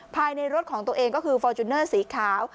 ภายในรถของตัวเองก็คือฟอร์จูเนอร์สีขาว